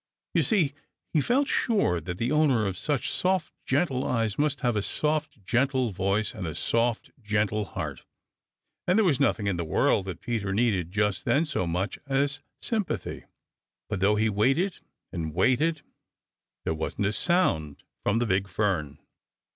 You see, he felt sure that the owner of such soft, gentle eyes must have a soft, gentle voice and a soft, gentle heart, and there was nothing in the world that Peter needed just then so much as sympathy. But though he waited and waited, there wasn't a sound from the big fern.